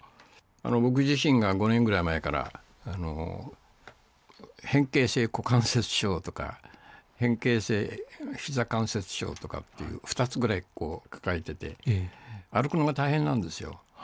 僕自身が５年ぐらい前から、変形性股関節症とか、変形性膝関節症とかっていう、２つぐらい抱えてて、歩くのが大変なんですよ。